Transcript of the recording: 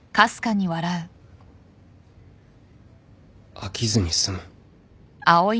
飽きずに済む。